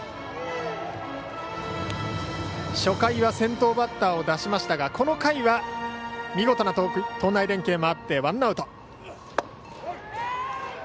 初回は先頭バッター出しましたがこの回は見事な投内連係もあってワンアウト。